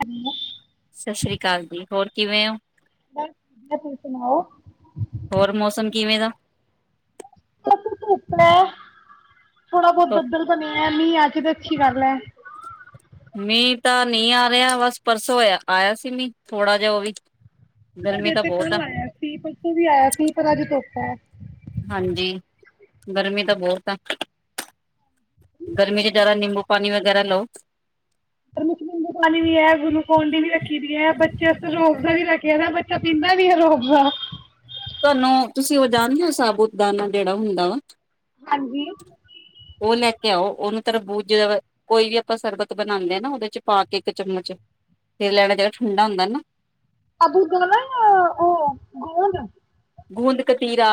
ਹੰ ਸਤਿ ਸ੍ਰੀ ਕਾਲ ਜੀ। ਹੋਰ, ਕਿਵੇਂ ਓ? ਬਸ ਵਧੀਆ ਤੁਸੀਂ ਸੁਣਾਓ? ਹੋਰ, ਮੌਸਮ ਕਿਵੇਂ ਦਾ? ਮੈਂ ਥੋੜਾ ਬਹੁਤ ਬੱਦਲ ਬਣਿਆ ਮੀਂ ਅੱਜ ਦੇ ਕੀ ਕਰ ਲੈ ਮੀਂਹ ਤਾਂ ਨਹੀਂ ਆ ਰਿਹਾ, ਬਸ ਪਰਸੋਂ ਹੋਇਆ ਆਇਆ ਸੀ ਮੀ, ਥੋੜਾ ਜਿਹਾ ਉਹ ਵੀ ਤੁਹਾਡੇ ਗਰਮੀ ਤਾਂ ਇੱਥੇ ਬਹੁਤ ਕੱਲ ਆ ਆਇਆ ਸੀ, ਪਰਸੋਂ ਵੀ ਆਇਆ ਸੀ ਪਰ ਅੱਜ ਧੁੱਪ [unintelligible] ਹਾਂਜੀ ਗਰਮੀ ਤਾਂ ਬਹੁਤ ਆ, ਗਰਮੀ ਚ ਜ਼ਿਆਦਾ ਨਿੰਬੂ ਪਾਣੀ ਵਗੈਰਾ ਲਓ। ਪਰ ਮਸ਼ ਦਾ ਨਿੰਬੂ ਪਾਣੀ ਵੀ ਹੈ, ਗਲੁਕੌਂਡੀ ਵੀ ਰੱਖੀ ਦੀ ਹੈ, ਬੱਚੇ ਰੋਜ਼ ਦਾ ਵੀ ਰੱਖਿਆ ਪੀਂਦਾ ਵੀ ਹੈ, ਰੂਅਫਜਾ। ਤੁਹਾਨੂੰ ਤੁਸੀਂ ਉਹ ਜਾਣਦੇ ਹੋ, ਸਾਬੂਤ ਦਾਨਾ ਜਿਹੜਾ ਹੁੰਦਾ ਵਾ ਹਾਂਜੀ ਉਹ ਲੈ- ਘਿਓ ਉਹਨੂੰ ਤਰਬੂਜ ਜ ਕੋਈ ਵੀ ਆਪਾਂ ਸਰਬਤ ਬਣਾਉਂਦੇ ਹ ਨਾ, ਉਹਦੇ ਚ ਪਾ ਕੇ, ਇੱਕ ਚਮਚ ਫੇਰ ਲੈਣਾ ਜਿੜਾ ਠੰਡਾ ਹੁੰਦਾ ਨਾ ਆ ਦੁੱਧ ਵਾਲਾ ਏ, ਯਾ, ਓ, ਗੂੰਦੇ ਗੂੰਦ ਕਤੀਰਾ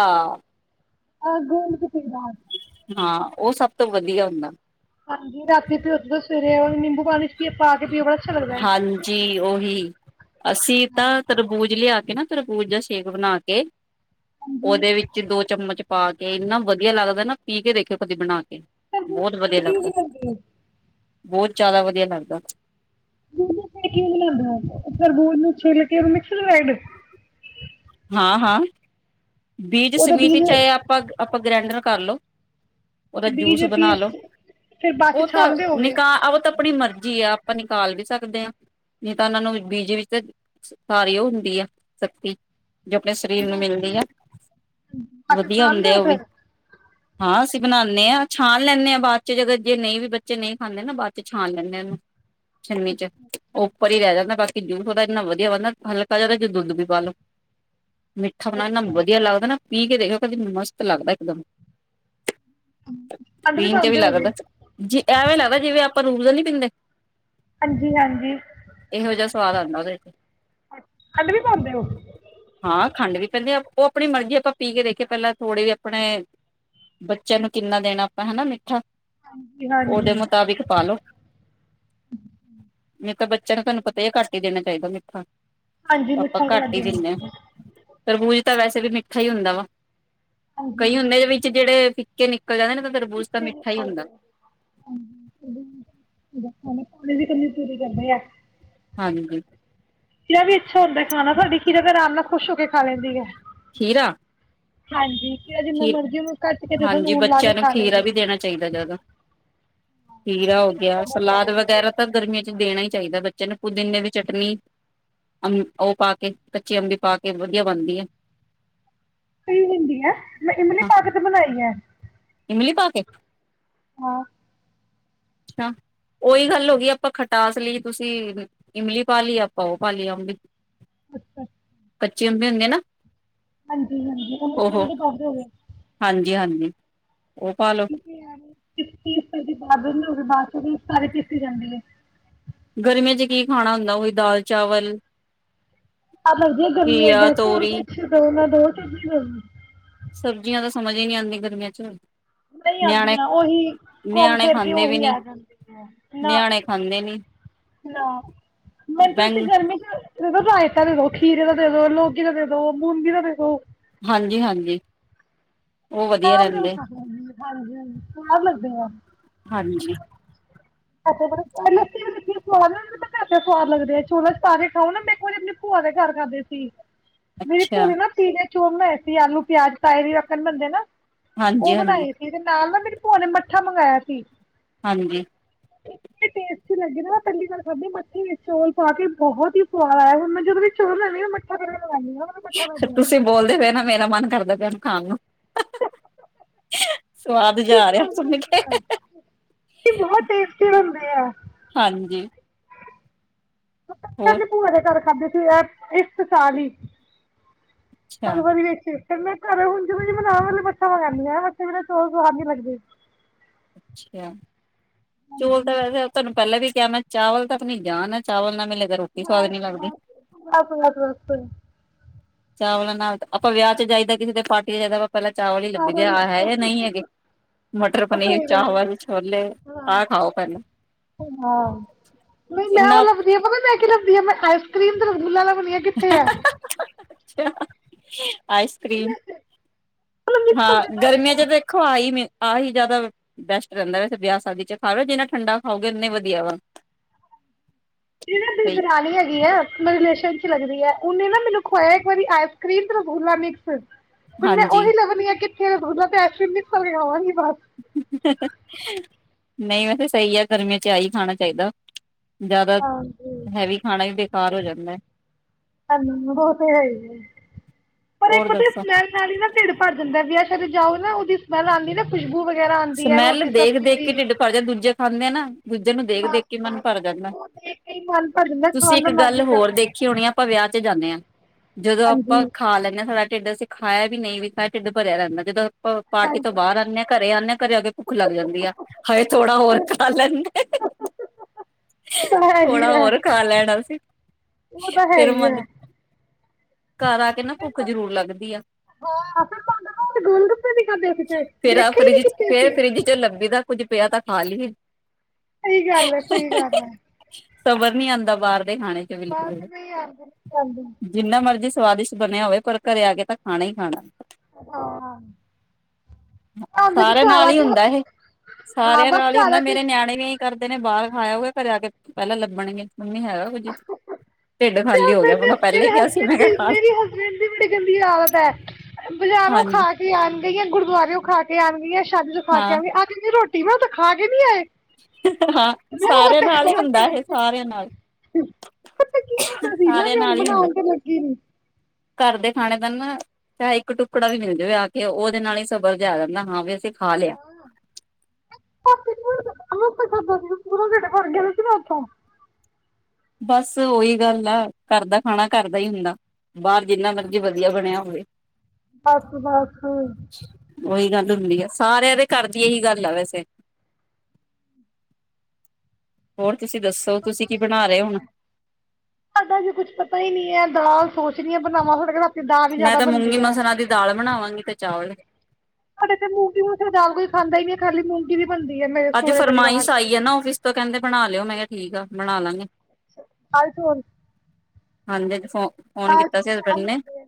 ਆ ਗੂੰਦ ਕਤੀਰਾ ਹਾਂ, ਉਹ ਸਭ ਤੋਂ ਵਧੀਆ ਹੁੰਦਾ। ਹਾਂਜੀ। ਰਾਤੀ ਤੇ ਉਦੋਂ ਸਵੇਰੇ ਉਹ ਨਿੰਬੂ ਪਾਣੀ ਚ ਪਾ ਕੇ ਪੀਓ, ਬੜਾ ਅੱਛਾ ਲੱਗਦਾ ਐ। ਹਾਂਜੀ ਉਹੀ ਅਸੀਂ ਤਾਂ ਤਰਬੂਜ ਲਿਆ ਨਾ ਤਰਬੂਜ਼ ਦਾ ਸ਼ੇਕ ਬਣਾ ਕੇ, ਹਾਂਜੀ ਉਹਦੇ ਵਿੱਚ ਦੋ ਚਮਚ ਪਾ ਕੇ ਇੰਨਾ ਵਧੀਆ ਲੱਗਦਾ ਨਾ, ਪੀ ਕੇ ਦੇਖਿਓ ਕਦੀ ਬਣਾ ਕੇ ਤਰਬੂਜ ਬਹੁਤ ਵਧੀਆ ਟਿੱਕੀ ਵੀ ਲੱਗਦਾ। ਬਣਾਉਂਦੇ ਹੋ ਬਹੁਤ ਜ਼ਿਆਦਾ ਵ ਵਦੀਆ ਬਨਦਾ ਤਰਬੂਜ ਨੁੰ ਛਿੱਲ ਕੇ ੳਹ ਹਾਂ, ਹਾਂ ਬੀਜ ਸਮਿਤ ਚਾਹੇ, ਆਪਾਂ ਆਪਾਂ ਗ੍ਰੈਂਡਰ ਕਰਲੋ ਉਹਦਾ ਜੂਸ ਬੀਜ ਬਣਾ ਪੀਸ ਲੋੋ ਫਿਰ ਬਾਅਦ ਚ ਉਹ ਤਾਂ ਛਾਣਦੇ ਹੋਗੇ ਨਿਕਾਹ ਉਹ ਤਾਂ ਆਪਣੀ ਮਰਜ਼ੀ ਆ ਆਪਾਂ ਟਾਲ ਵੀ ਸਕਦੇ ਹਾਂ ਨਹੀਂ ਤਾਂ ਉਹਨਾਂ ਨੂੰ ਬੀਜੀ ਵਿੱਚ ਸਾਰੀ ਉਹ ਹੁੰਦੀ ਆ ਸਖਤੀ ਜੋ ਆਪਣੇ ਸਰੀਰ ਨੂੰ ਮਿਲਦੀ ਐ। ਬਾਅਦ ਚ ਵਧੀਆ ਛਾਣਦੇ ਹੁੰਦੇ ਹੋ ਆ ਉਹ ਵੀ ਫਿਰ ਹਾਂ, ਅਸੀਂ ਬਣਾ ਨੇ ਹਾਂ ਛਾਣ ਲੈਂਦੇ ਆਂ, ਬਾਅਦ ਚ ਜਦੋਂ ਨਹੀਂ ਵੀ ਬੱਚੇ ਨਹੀਂ ਖਾਂਦੇ ਨਾ ਬਾਅਦ ਚ ਛਾਣ ਲੈਂਣੇ ਉਹਨੂੰ। ਛਨੀ ਚ ਉੱਪਰ ਹੀ ਰਹਿ ਜਾਂਦਾ ਬਾਕੀ ਕਿ ਜੂਸ ਥੋੜ੍ਹਾ ਇੰਨਾ ਵਧੀਆ ਬਣ ਦਾ ਹਲਕਾ ਜਿਦਾ ਜੇ ਦੁੱਧ ਵੀ ਪਾਲੋ। ਮਿੱਠਾ ਬਣਾਉ ਨਾ ਅੱਛਾ ਵਧ ਲੱਗਦਾ ਨਾ ਪੀ ਕੇ ਦੇਖਓ ਕਦੀ ਮਸਤ ਲੱਗਦਾ ਇੱਕ ਦਮ ਖੰਡ ਪੀਨ ਚ ਵੀ ਪਾਉਂਦੇ ਹੋਗੇ ਲੱਗਦਾ ਜ ਐਵੇਂ ਲੱਗਦਾ ਜਿਵੇਂ ਆਪਾਂ ਰੂਹਰਾ ਨਈਂ ਪੀਂਦੇ? ਹਾਂਜੀ ਹਾਂਜੀ। ਇਹੋ ਜਿਹਾ ਸਵਾਦ ਆਉਂਦਾ ਉਹਦੇ ਚ ਖੰਡ ਵੀ ਪਾਉਂਦੇ ਹੋ ਹਾਂ ਖੰਡ ਵੀ ਪੈਂਦੀ ਆ। ਆਪਣੀ ਮਰਜ਼ੀ ਆਪਾਂ ਪੀ ਕੇ ਦੇਖੇ ਪਹਿਲਾਂ ਥੋੜੇ ਵੀ ਆਪਣੇ ਬੱਚਿਆਂ ਨੂੰ ਕਿੰਨਾ ਦੇਣਾ ਆਪਾਂ ਹਨਾ ਮਿੱਠਾ। ਹਾਂਜੀ ਹਾਂਜੀ ਉਹਦੇ ਮੁਤਾਬਿਕ ਪਾ ਲੋੋ ਨਹੀਂ ਤੇ ਬੱਚਿਆਂ ਨੂੰ ਤੁਆਨੂੰ ਪਤਾ ਹੈ ਏ ਘੱਟ ਈ ਦੇਣਾ ਚਾਹੀਦਾ ਮਿੱਠ ਹਾਂ। ਹਾਂਜੀ ਮਿੱਠਾ ਕਰ ਦੇਣਾ ਫੇਰ ਵੀ ਮਿੱਠਾ ਹੀ ਹੁੰਦਾ ਵਾ। ਕਈ ਹੁੰਦੇ ਦੇ ਵਿੱਚ ਜਿਹੜੇ ਫਿਕ ਕਿੰਨੇ। ਹਾਂਜੀ। ਨਾਲੇ ਪਾਣੀ ਦੀ ਕਮੀਂ ਪੂਰੀ ਕਰ ਦੇਆ। ਹਾਂਜੀ। ਖੀਰਾ ਵੀ ਅੱਛਾ ਹੁੰਦਾ ਖਾਣਾ। [unintelligible] ਖੀਰਾ ਤੇ ਆਰਾਮ ਨਾਲ ਖੁਸ਼ ਹੋ ਕੇ ਖਾ ਲੈਂਦੀ ਹੈ। ਖੀਰਾ ਹਾਂਜੀ ਖੀਰਾ ਜਿੰਨਾ ਖੀ ਮਰਜ਼ੀ ਉਹਨੂੰ ਕੱਟ ਕੇ ਜਦੋਂ ਹਾਂਜੀ ਨੂਨ ਲਾ ਕੇ ਬੱਚਿਆਂ ਨੂੰ ਖਾ ਖੀਰਾ ਲਈਏ। ਵੀ ਦੇਣਾ ਚਾਈਦਾ ਜ਼ਿਆਦਾ ਖੀਰਾ ਹੋ ਗਿਆ ਸਲਾਦ ਵਗੈਰਾ ਤਾਂ ਗਰਮੀਆਂ ਵਿਚ ਦੇਣਾ ਹੀ ਚਾਈਦਾ ਬੱਚੇ ਨੂੰ ਪੁਦੀਨੇ ਦੀ ਚਟਨੀ ਅਬ ਉਹ ਪਾ ਕੇ ਕੱਚੀ ਅੰਬੀ ਪਾ ਕੇ ਵਧੀਆ ਬਣਦੀ ਐ। ਪਈ ਹੁੰਦੀ ਆ ਮੈਂ ਇਮਲੀ ਹਾਂ ਪਾਅ ਕੇ ਤਾ ਬਣਾਈ ਐ। ਇਮਲੀ ਪਾ ਕੇ। ਹਾਂ। ਅੱਛਾ ਉ ਓਹੀ ਗੱਲ ਹੋ ਗਈ ਆਪਾਂ ਖਟਾਸ ਲਈਏ ਤੁਸੀਂ ਇਮਲੀ ਪਾ ਲਈ ਆਪਾਂ ਉਹ ਪਾ ਲਿਆ ਅੰਬੀ। ਅੱਛਾ। ਯੰਮੀ ਹੁੰਦੀ ਐ ਨਾ। ਹਾਂਜੀ-ਹਾਂਜੀ ਉਹ ਮਿੱਠੀ ਜਿਹੀ ਪਾਂਦੇ ਹੋ ਗੇ। ਜੀ, ਹਾਂਜੀ। ਉਹ ਪਾਲੋ ਪੀਤੀ ਹੋਈ ਬਾਦ ਚੋਂ ਵੀ ਸਾਰੀ ਪੀਸੀ ਜਾਂਦੀ ਐ। ਗਰਮੀਆਂ ਚ ਕੀ ਖਾਣਾ ਹੁੰਦਾ, ਉਹੀ ਦਾਲ ਚਾਵਲ ਸੁਆਦ ਲੱਗਦੀ ਏ ਗਰਮੀਆਂ ਘੀਆ, ਤਾਂ ਕੁਛ ਤੋਰੀ ਔਰ ਦੋ ਨਾ ਦੋ। [inaudible] ਸਬਜ਼ੀਆਂ ਤਾਂ ਸਮਝ ਹੀ ਨੀ ਆਂਦੀ ਗਰਮੀਆਂ ਚ ਨਹੀਂ ਨਿਆਣੇ ਆਂਦੀਆਂ ਉਹੀ ਘੁੰਮ ਨਿਆਣੇ ਫਿਰ ਕੇ ਖਾਂਦੇ ਵੀ ਉਹੀ ਨੀ ਆ ਜਾਂਦੀਆਂ ਨਾ ਨਿਆਣੇ ਖਾਂਦੇ ਨੀ ਨਾ ਮੈਨੂੰ ਤਾਂ ਤੁਸੀਂ ਬੈਂਗ ਗਰਮੀ ਚ ਦੇ ਦੋ ਰਾਇਤਾ ਦੇ ਦੋ ਖੀਰੇ ਦਾ ਦੇ ਦੋ, ਲੌਕੀ ਦਾ ਦੇ ਦੋ, ਮੂੰਗੀ ਦਾ ਦੇ ਦੋ ਹਾਂਜੀ- ਹਾਂਜੀ, ਉਹ ਵਧੀਆ ਸ਼ਾਮ ਦੇ ਕੋਈ ਰਹਿੰਦੇ ਖਾਂਦਾ ਨੀ ਹਾਂਜੀ- ਹਾਂਜੀ। ਸਾਰ ਲੈਂਦੇ ਹਾਂ। ਹਾਂਜੀ [inaudible] ਸਵਾਦ ਲੱਗਦੇ ਐ ਛੋਲੇ ਚ ਪਾ ਕੇ ਖਾਓ ਨਾ ਮੈ ਇਕ ਵਾਰੀ ਆਪਣੇ ਭੂਆ ਦੇ ਘਰ ਖਾਂਦੇ ਸੀ। ਮੇਰੀ ਭੂਆ ਅੱਛਾ ਨੇ ਨਾ ਧੀ ਦੇ ਚੌਲ ਬਣਾਏ ਸੀ, ਆਲੂ ਪਿਆਜ ਪਾਏ ਹੀ ਰੱਖਣ ਬਣਦੇ ਨਾ ਹਾਂਜੀ ਉਹ ਹਾਂਜੀ ਬਣਾਏ ਸੀ ਤੇ ਨਾਲ ਨਾ ਮੇਰੀ ਭੂਆ ਨੇ ਮੱਠਾ ਮੰਗਾਇਆ ਸੀ। ਹਾਂਜੀ, ਬੜਾ ਟੇਸਟੀ ਲੱਗ ਰਿਹਾ ਪਹਿਲੀ ਵਾਰ ਖਾਦੇ ਮੱਠੇ ਵਿੱਚ ਚੋਲ ਪਾ ਕੇ ਬਹੁਤ ਹੀ ਸਵਾਦ ਆਇਆ, ਹੁਣ ਮੈਂ ਜਦੋਂ ਚੋਲ ਲੈਂਦੀ ਆਂ ਮੱਠਾ ਮੰਗਾਉਂਦੀ ਹਾਂ ਮੈਨੂੰ ਮੱਠਾ ਲੱਗਦਾ ਹੈ ਤੁਸੀਂ ਬੋਲਦੇ ਰਹੇ ਨਾ ਨਾ ਮੇਰਾ ਮਨ ਕਰਦਾ ਖਾਣ ਨੂੰ ਸੁਆਦ ਜਾ ਬਹੁਤ ਆ ਰਿਹਾ ਸਵਾਦ ਸੁਣ ਕੇ ਬਣਦੇ ਆ ਇਹ ਬਹੁਤ ਟੇਸਟੀ ਬਣਦੇ ਆ ਹਾਂਜੀ। ਹੋਰ ਦੇ ਭੂਆ ਦੇ ਘਰ ਖਾਧੇ ਸੀ। ਇੱਕ ਹਜ਼ਾਰ ਇੱਕ ਚਾਲੀ। ਅੱਛਾ ਭਗਵਤ ਵਿੱਚ ਏ। ਤੇ ਮੈਂ ਘਰ ਹੁਣ ਜੇ ਬਨਾਉਣ ਵੇਲੇ ਮੱਠਾ ਮੰਗਾਂਦੀ ਹਾਂ, ਮੱਠੇ ਬਿਨਾਂ ਮੈਂਨੂੰ ਚੌਲ ਸਵਾਦ ਨੀ ਲੱਗਦੇ। ਕਿਹਾ [inaudible] ਚੌਲ ਤਾਂ ਵੈਸੇ ਤੁਹਾਨੂੰ ਪਹਿਲਾਂ ਵੀ ਕਿਹਾ ਮੈਂ ਚਾਵਲ ਤਾਂ ਆਪਣੀ ਜਾਨ ਹੈ, ਚਾਵਲ ਨਾਲ ਮੈਂ ਬਸ- ਬਸ- ਬਸ- ਬਸ- ਬਸ। ਚਾਵਲਾਂ ਨਾਲ ਆਪਾਂ ਵਿਆਹ ਚ ਜਾਈਦਾ ਕਿਸੇ ਦੇ ਪਾਰਟੀ ਚ ਜਾਦਾ ਪਹਿਲਾਂ ਚਾਵਲ ਹੀ ਲੱਭੀ ਦੇ ਆ, ਸਾਰਾ ਹਾਏ- ਹਾਏ ਨਹੀਂ ਹੈਗੇ ਮਟਰ ਪਨੀਰ, ਸਹੀ ਗੱਲ ਹੈ ਚਾਵਲ ਛੋਲੇ ਹਾਂ ਆ ਖਾਓ ਪਹਿਲਾ ਹਾਂ ਨਹੀਂ ਮੈਂ ਉਹ ਇਨਾਂ ਲੱਭਦੀ ਆ ਪਤਾ ਮੈਂ ਕੀ ਮੈਂ ਆਈਸ ਕਰ੍ਰੀਮ ਤੇ ਰਸਗੁੱਲਾ ਦੁਨੀਆ ਕਿੱਥੇ ਆ [unintelligible] ਆਈਸ ਕਰ੍ਰੀਮ ਉਹ ਹਾਂ ਗਰਮੀਆਂ ਲੱਭਦੀ ਆ ਚ ਦੇਖੋ ਆਈ ਆਹੀ ਜ਼ਿਆਦਾ ਬੈਸਟ ਰਹਿੰਦਾ ਵਸੇ ਵਿਆਹ ਸ਼ਾਦੀ ਚ ਖਾਵੇ ਜਿੰਨਾ ਠੰਡਾ ਖਾਓਗੇ ਇਨੇ ਵਧੀਆ ਵਾ। ਇਹ ਬਈ ਦਰਾਣੀ ਹੈਗੀ ਆ। ਮੇ ਰਿਲੇਸ਼ਨ ਚ ਲਗਦੀ ਹੈ ਉਹਨੇ ਨਾ ਮੈਨੂੰ ਖੁਆਇਆ ਇੱਕ ਵਾਰੀ ਆਈਸ ਕਰ੍ਰੀਮ ਤੇ ਰਸੂਲਾ ਮਿਕਸ ਹੁਣ ਮੈਂ ਹਾਂਜੀ ਉਹੀ ਲਭਨੀ ਹ ਕਿ [unintelligible] [inaudible] ਨਹੀਂ ਵੈਸੇ ਸਹੀ ਆ ਗਰਮੀਆਂ ਚ ਆ ਹੀ ਖਾਣਾ ਚਾਹੀਦਾ। ਜ਼ਿਆਦਾ ਹਾਂਜੀ ਹੈਵੀ ਖਾਣਾ ਵੀ ਦੇਖ [unintelligible] ਜਾਂਦਾ। ਓਹ ਤੇ ਹੈ ਹੀ ਹੈ ਪਰ ਇੱਕ ਹੋਰ ਦੱਸੋ ਸਮੈੱਲ ਨਾਲ ਹੀ ਢਿੱਡ ਭਰ ਜਾਂਦਾ ਏ ਵਿਆਹ ਸ਼ਾਦੀਆ ਤੇ ਜਾਓ ਨਾ ਉਹਦੀ ਸਮੇਲ ਆਂਦੀ ਨਾ ਪੁੱ ਸਮੈਲ ਦੇਖ ਦੇਖ ਕੇ ਢਿੱਡ ਭਰ ਜਾਂ ਦੂਜੇ ਖਾਂਦੇ ਨਾ ਦੂਜੇ ਨੂੰ ਦੇਖ ਬਸ ਦੇਖ ਕੇ ਮਨ ਬਸ ਭਰ ਜਾਂਦਾ ਉਹ ਦੇਖ ਕੇ ਹੀ ਮਨ ਭਰ ਜਾਂਦਾ ਤੁਸੀਂ ਖਾਣ ਇੱਕ ਦਾ ਮਨ ਗੱਲ ਨਹੀਂ ਹੋਰ ਕਰਦਾ ਦੇਖੀ ਹੋਣੀ ਆ ਆਪਾਂ ਵਿਆਹ ਚ ਜਾਂਦੇ ਹਾਂ ਜਦੋਂ ਆਪਾਂ ਹਾਂਜੀ ਖਾ ਲੈਂਦੇ ਹਾਂ ਸਾਡਾ ਢਿੱਡ ਅਸੀਂ ਖਾਇਆ ਵੀ ਨਹੀਂ ਵੀ ਖਾਇਆ ਢਿੱਡ ਭਰਿਆ ਰਹਿੰਦਾ। ਜਦ ਪਾਰਟੀ ਤੋਂ ਹਾਂਜੀ ਬਾਹਰ ਆਉਂਦੇ ਹਾਂ ਘਰੇ ਆਉਂਦੇ ਹਾਂ ਘਰੇ ਆ ਕੇ ਭੁੱਖ ਲੱਗ ਜਾਂਦੀ ਆ ਹਾਏ ਥੋੜਾ ਹੋਰ ਖਾ ਲੈਂਦੇ ਉਹ ਤਾਂ ਹੈ ਹੀ ਥੋੜਾ ਹੈ ਹੋਰ ਖਾ ਲੈਣਾ ਅਸੀ। ਉਹ ਤਾਂ ਹੈ ਫਿਰ ਹੀ ਮਨ ਘਰ ਆ ਕੇ ਨਾ ਭੁੱਖ ਹੈ ਜ਼ਰੂਰ ਲੱਗਦੀ ਆ ਹਾਂ ਫਿਰ ਤੁਹਾਡੇ ਕੋਲ ਗੋਲਗੱਪੇ ਵੀ ਖਾਧੇ ਸੀ ਤੇ ਫੇਰ ਆ ਦੇਖੇ ਹੀ ਫਰਿਜ ਨੀ ਚ ਕਿੱਥੇ ਸੀ ਫਰਿੱਜ ਚ ਲੱਭੀ ਦਾ ਕੁੱਝ ਪਿਆ ਤਾਂ ਖਾ ਲਈਏ ਸਹੀ ਗੱਲ ਹੈ, ਸਹੀ ਗੱਲ ਹੈ। ਸਬਰ ਨਹੀਂ ਆਉਂਦਾ ਬਾਹਰ ਖਾਣੇ ਚ ਬਸ ਬਿਲਕੁਲ ਨਹੀਂ ਆਉਂਦੇ ਨਹੀਂ ਆਉਂਦੇ ਜਿੰਨਾ ਮਰਜੀ- ਸਵਾਦਿਸ਼ਟ ਬਣਿਆ ਹੋਵੇ ਪਰ ਘਰੇ ਆ ਕੇ ਤਾਂ ਖਾਣਾ ਹੀ ਖਾਣਾ। ਹਾਂ ਸਾਰਿਆਂ ਘਰ ਨਾਲ ਆ ਹੀ ਕੇ ਹੁੰਦਾ ਇਹ ਹਾਂ ਸਾਰਿਆਂ ਬਸ ਨਾਲ ਹੀ ਘਰ ਹੁੰਦਾ ਆ ਕੇ ਮੇਰੇ ਨਿਆਣੇ ਵੀ ਇਹੀ ਕਰਦੇ ਨੇ ਬਾਹਰ ਖਾਇਆ ਹੋਆ ਘਰੇ ਆ ਕੇ ਪਹਿਲਾਂ ਲੱਭਣਗੇ ਮੰਮੀ ਹੈਗਾ ਕੁਝ। ਖਾ ਮੇਰੀ ਹਸਬੈਂਡ ਦੀ ਬੜੀ ਗੰਦੀ ਆਦਤ ਹੈ ਬਜ਼ਾਰੋਂ ਹਾਂਜੀ ਖਾ ਕੇ ਆਉਣਦੇ ਜਾਂ ਗੁਰਦਆਰੇਓ ਖਾ ਕੇ ਆਉਣਦੇ ਸ਼ਾਦੀ ਤੋਂ ਖਾ ਕੇ ਹਾਂ ਆਵਾਂਗੇ ਅਜ ਅਸੀਂ ਰੋਟੀ ਸੀਮਾ ਉਠੋ ਖਾ ਕੇ ਨਹੀਂ ਆਏ ਹਾਂ ਮੈਂ ਸਾਰਿਆਂ ਤਾਂ ਨਾਲ ਹੀ ਖਾ ਕੇ ਹੁੰਦਾ ਇਹ ਆਏ ਸਾਰਿਆਂ ਨਾਲ। ਦੀ ਨਾ ਸਾਰਿਆਂ ਭੈਣ ਨਾਲ ਹੀ ਹੁੰਦਾ ਬਣਾਉਣ ਤੇ ਲੱਗੀ ਨ [unintelligible] ਘਰ ਦੇ ਖਾਣੇ ਦਾ ਨਾ ਚਾਹ ਇੱਕ ਟੁਕੜਾ ਵੀ ਮਿਲ ਜਾਵੇ ਆ ਕੇ ਉਹਦੇ ਨਾਲ ਹੀ ਸਬਰ ਜ ਆ ਜਾਂਦਾ ਹਾਂ ਵੀ ਅਸੀਂ [unintelligible] [unintelligible] ਖਾ ਲਿਆ ਪੂਰਾ ਢਿੱਡ ਭਰ ਕੇ ਖਾਣਾ ਸੀ ਨਾ ਉਥੋਂ ਬਸ ਉ ਓਹੀ ਗੱਲ ਆ ਘਰ ਦਾ ਖਾਣਾ ਘਰ ਦਾ ਹੀ ਹੁੰਦਾ। ਬਾਹਰ ਜਿੰਨਾ ਮਰਜੀ ਵਧੀਆ ਬਣਿਆ ਹੋਵੇ ਬਸ ਬਸ ਸਾਡਾ ਉਹੀ ਗੱਲ ਲੋ ਆ ਸਾਰਿਆਂ ਦੇ ਘਰ ਦੀ ਇਹੀ ਗੱਲ ਆ ਵੈਸੇ। ਹੋਰ ਤੁਸੀਂ ਦੱਸੋ ਤੁਸੀਂ ਕੀ ਬਣਾ ਰਹੇ ਹੁਣ ਜੀ ਕੁਛ ਪਤਾ ਹੀ ਨਹੀਂ ਹੈ ਦਾਲ ਸੋਚਣੀਏ ਬਣਾਵਾਂ [unintelligible] ਮੈਂ ਜ਼ਿਆਦਾ ਤਾਂ ਬਣਦੀ ਮੂੰਗੀ ਹੈ ਮਸਰਾਂ ਦੀ ਦਾਲ ਬਣਾਵਾਂਗੀ ਤੇ ਚਾਵਲ। ਸਾਡੇ ਤੇ ਮੂੰਗੀ ਮੂਸਰ ਦਾਲ ਕੋਈ ਖਾਂਦਾ ਹੀ ਨਹੀਂ ਹੈ ਖਾਲੀ ਮੂੰਗੀ ਦੀ ਬਣਦੀ ਹੈ ਮੇਰੇ ਅੱਜ ਸਹੁਰੇ ਪਰਿਵਾਰ ਫ਼ਰਮਾਇਸ਼ ਚ ਆਈ ਹੈ ਨਾ ਫਿਸ ਤੋਂ ਕਹਿੰਦੇ ਬਣਾ ਲਿਓ ਮੈਂ ਕਯਾ ਠੀਕ ਆ ਬਣਾ ਲਾਂਗੇ। ਕੱਲ ਚਣ ਹਾਂਜੀ ਇਕ ਫੋ ਫੋਨ ਦਾਲ ਕੀਤਾ ਚੋਂ ਸੀ ਹਸਬੈਂਡ ਸਆਦ ਨੇ ਲੱਗਦੇ ਐ।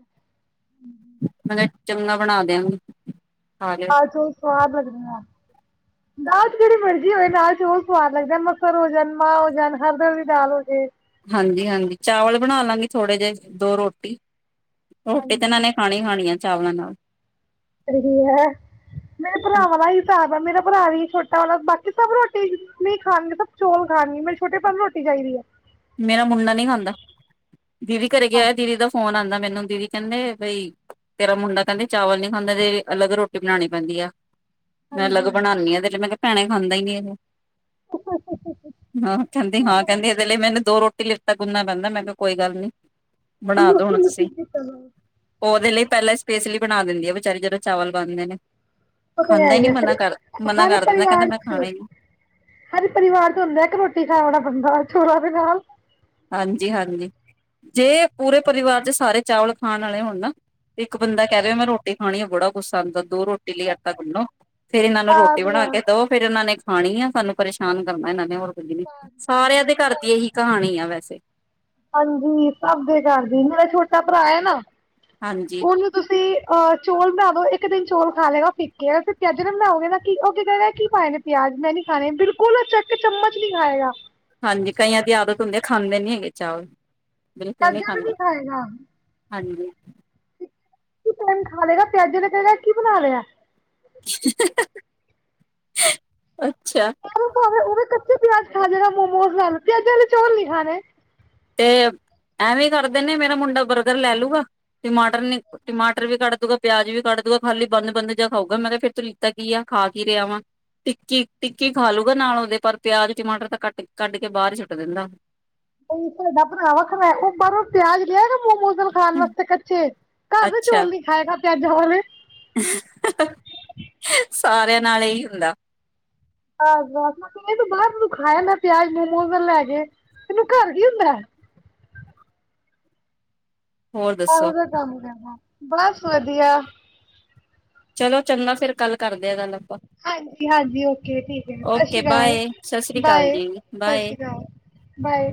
ਮੈਂ ਕਿਹਾ ਚੰਗਾ ਬਣਾ ਦਿਆਂਗੇ। ਅੱਜ ਉਹ ਸਵਾਦ ਲੱਗਦੀ ਆ। ਦਾਲ ਚ ਜਿਹੜੀ ਮਰਜ਼ੀ ਹੋਵੇ ਨਾਲਾਲ ਚ ਉਹ ਸਵਾਦ ਲੱਗਦਾ ਮਸਰ ਹੋ ਜਾਣ ਮਾਂਹ ਹੋ ਜਾਣ ਹਰ ਦਰ ਦੀ ਦਾਲ ਹੋ ਜਾਵੇ ਹਾਂਜੀ ਹਾਂਜੀ ਚਾਵਲ ਬਣਾ ਲਾਂਗੀ ਥੋੜੇ ਜਿਹੇ ਦੋ ਰੋਟੀ। ਰੋਟੀ ਤੇ ਹਾਂਜੀ ਇਹਨਾਂ ਨੇ ਖਾਣੀ ਖਾਣੀ ਆ। ਚਾਵਲਾਂ ਨਾਲ। ਰਹੀ ਹੈ ਮੇਰੇ ਭਰਾਵਾਂ ਦਾ ਹੀ ਹਿਸਾਬ ਹੈ ਮੇਰਾ ਭਰਾ ਵੀ ਛੋਟਾ ਬਾਕੀ ਸਭ ਰੋਟੀ ਨਹੀਂ ਖਾਣਗੇ ਸਭ ਚੋਲ ਖਾਣਗੇ ਮੈ ਛੋਟੇ ਭੈਣ ਨੂੰ ਰੋਟੀ ਚਾਹੀਦੀ ਹੈ। ਮੇਰਾ ਮੁੰਡਾ ਨਹੀਂ ਖਾਂਦਾ ਦੀਦੀ ਘਰੇ ਗਿਆ ਹਾਂ ਹੋਇਆ ਦੀਦੀ ਦਾ ਫੋਨ ਆਉਂਦਾ। ਮੈਨੂੰ ਦੀਦੀ ਕਹਿੰਦੇ ਬਈ ਤੇਰਾ ਮੁੰਡਾ ਕਹਿੰਦੇ ਚਾਵਲ ਨੀ ਖਾਂਦਾ ਤੇ ਅਲੱਗ ਰੋਟੀ ਬਣਾਉਣੀ ਪੈਂਦੀ ਆ ਮੈਂ ਅਲੱਗ ਹਾਂਜੀ ਬਣਾਉਾਨਦੀ ਹਾਂ ਤੇ ਮੈਂ ਭੈਣੇ ਖਾਂਦਾ ਹੀਈ ਇਹ ਹਾਂ ਕਹਿੰਦੀ ਹਾਂ ਕਹਿੰਦੀ ਇਹਦੇ ਲਈ ਮੈਨੂੰ ਦੋ ਰੋਟੀ ਲਯੀ ਆਟਾ ਗੁੰਨਣਾ ਪੈਂਦਾ ਮੈਂ ਕਿਹਾ ਕੋਈ ਗੱਲ ਨੀ। ਬਣਾ ਦੋ ਲੋਕਾਂ ਹੁਣ ਨੂੰ ਕੀ ਤੁਸੀਂ ਕੀਤਾ ਜਾਵੇ? ਉਹਦੇ ਲਈ ਪਹਿਲਾਂ ਸਪੇਸਲੀ ਬਣਾ ਦਿੰਦੀ ਆ ਵਿਚਾਰੀ ਜਦੋਂ ਚਾਲ ਬਣਦੇ ਨੇ ਖਾਂਦਾ ਹੀ ਨੀ ਮਨਾ ਕਰ ਮਨਾ ਹਰ ਕਰ ਦਿੰਦਾ ਕਹਿੰਦਾ ਪਰਿਵਾਰ ਮੈਂ ਚ ਖਾਣਾ ਹੀ ਨੀ ਹਰ ਪਰਿਵਾਰ ਚ ਹੁੰਦਾ ਕਿ ਰੋਟੀ ਖਾ ਹੋਣਾ ਬੰਦਾ ਸੂਰਾਂ ਦੇ ਨਾਲ਼। ਹਾਂਜੀ ਹਾਂਜੀ, ਜੇ ਪੂਰੇ ਪਰਿਵਾਰ ਚ ਸਾਰੇ ਚਾਵਲ ਖਾਣ ਵਾਲੇ ਹੋਣ ਨਾ, ਤੇ ਇੱਕ ਬੰਦਾ ਕਹਿ ਰਿ ਹੋ ਮੈਂ ਰੋਟੀ ਖਣੀ ਆ ਬੜਾ ਪਸੰਦ ਦੋ ਰੋਟੀ ਲਈ ਆਟਾ ਗੁਣੋ, ਫੇਰ ਇਹਨਾਂ ਨੂੰ ਰੋਟੀ ਆਸ ਬਣਾ ਕੇ ਵਾਸ ਦਵੋ, ਫੇਰ ਇਹਨਾਂ ਨੇ ਖਾਣੀ ਆ ਸਾਨੂੰ ਪਰੇਸ਼ਾਨ ਕਰਨਾ ਇਹਨਾਂ ਨੇ ਹੋ ਸਾਰਿਆਂ ਦੇ ਘਰ ਦੀ ਇਹੀ ਕਹਾਣੀ ਆ ਵੈ [unintelligible] ਹਾਂਜੀ, ਸਭ ਦੇ ਘਰ ਦੀ, ਮੇਰਾ ਛੋਟਾ ਭਰਾ ਹੈ ਨਾ ਹਾਂਜੀ ਉਹਨੂੰ ਤੁਸੀਂ ਅਹ ਚੋਲ ਬਣਾ ਦੋ ਇੱਕ ਦਿਨ ਚੌਲ ਖਾ ਲਏਗਾ ਫਿੱਕੇ, ਫ ਪਿਆਜ ਨਾ ਬਣਾਓਗੇ ਨਾ ਕੀ ਉਹ ਕੀ ਕਹਿ ਕੀ ਪਾਏ ਨੇ ਪਿਆਜ ਮੈਂ ਨੀ ਖਾਣੇ, ਬਿਲਕੁੱਲ ਇੱਕ ਚਮਚ ਨਹੀਂ ਖਾਏਗਾ ਹਾਂਜੀ ਕਈਆਂ ਦੀ ਆਦਤ ਹੁੰਦੀ ਆ ਖਾਂਦੇ ਨੀ ਹੈਗੇ ਚਾਲ ਤਾਜ਼ਾ ਵੀ ਨਹੀਂ ਖਾਏਗਾ। ਹਾਂਜੀ। ਕੀ ਟਾਈਮ ਖਾ ਲੇਗਾ ਪਿਆਜੇ ਤੇ ਕਹੇਗਾ ਕਿ ਬਣਾ ਲਿਆ? [unintelligible] ਅੱਛਾ। ਉਹ ਭਾਵੇਂ ਉਹ ਕੱਚੇ ਪਿਆਜ ਖਾ ਜੇਗਾ ਮੋਮੋਜ਼ ਨਾਲ, ਪਿਆਜ਼ਾ ਆਲੇ ਚੋਲ ਨੀ ਖਾਣੇ। ਤੇ ਐਵੇਂ ਕਰਦੇ ਨੇ ਮੇਰਾ ਮੁੰਡਾ ਬਰਗਰ ਲੈ ਲੂਗਾ, ਟਮਾਟਰ ਨ ਟਮਾਟਰ ਵੀ ਕੱਢ ਦੂਗਾ, ਪਿਆਜ ਵੀ ਕੱਢ ਦੂਗਾ, ਖਾਲੀ ਬੰਦ-ਬੰਦ ਜਾ ਖਾਊਗਾ। ਮੈਂ ਕਿਹਾ ਫਿਰ ਤੂੰ ਲਿੱਤਾ ਕੀ ਆ, ਖਾ ਕੀ ਰਿਹਾ ਵਾ, ਟਿੱਕੀ? ਟਿੱਕੀ ਖਾ ਲੂਗਾ ਨਾਲ ਉਹਦੇ। ਪਰ ਪਿਆਜ, ਟਮਾਟਰ ਤਾਂ ਕੱਟ ਕੱਢ ਕੇ ਬਾਹਰ ਹੀ ਸੁੱਟ ਦਿੰਦਾ। ਤੁਹਾਡਾ ਭਰਾ ਖ਼ਰਾਕੇ ਬਾਹਰੋਂ ਪਿਆਜ ਲੈ ਆਏਗਾ? ਮੋਮੋਜ ਨਾਲ ਖਾਣ ਵਾਸਤੇ ਕੱਚੇ, ਘਰ ਦੇ ਅੱਛਾ ਚੌਲ ਨੀ ਖਾਏਗਾ ਪਿਆਜਾਂ ਵਾਲੇ। ਸਾਰਿਆਂ ਨਾਲ ਏਹੀ ਹੁੰਦਾ। ਬਸ [unintelligible] ਤੂੰ ਬਾਹਰ ਤੇ ਤੂੰ ਖਾ ਲੈਨੇ ਪਿਆਜ਼ ਮੋਮੋਜ਼ ਨਾਲ ਲੈ ਕੇ ਤੈਨੂੰ ਘਰ ਕੀ ਹੁੰਦੈ? ਹੋਰ ਇਹੋ ਦੱਸੋ ਜਿਹਾ ਕੰਮ ਕਰਨਾ। ਬਸ ਵਧੀਆ। ਚਲੋ ਚੰਗਾ ਫੇਰ ਕੱਲ ਕਰ ਹਾਂਜੀ-ਹਾਂਜੀ, ਓਕੇ ਠੀਕ ਹੈ। ਓਕੇ ਸ਼ਾਸ਼ੀ ਕਾਲ, ਬਾਏ ਸਤਿ ਸ੍ਰੀ ਅਕਾਲ ਬਾਏ ਜੀ ਬਾਏ ਸ਼ਾਸ਼ੀ ਕਾਲ ਬਾਏ।